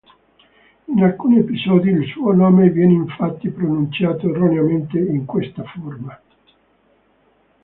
In alcuni episodi il suo nome viene infatti pronunciato erroneamente in questa forma.